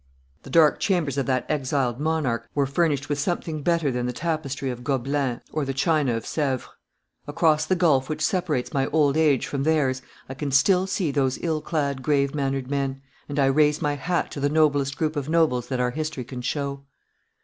The dark chambers of that exiled monarch were furnished with something better than the tapestry of Gobelins or the china of Sevres. Across the gulf which separates my old age from theirs I can still see those ill clad, grave mannered men, and I raise my hat to the noblest group of nobles that our history can show.